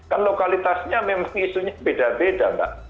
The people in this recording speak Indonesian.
kan lokalitasnya memang isunya beda beda mbak